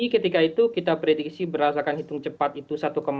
ketika itu kita prediksi berdasarkan hitung cepat itu satu empat